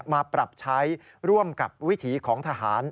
มาปรับใช้ร่วมกับวิถีของทหาร